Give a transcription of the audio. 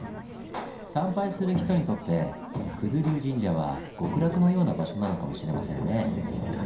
参拝する人にとって九頭龍神社は極楽のような場所なのかもしれませんね。